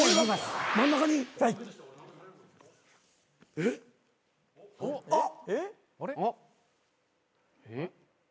えっ？あっ！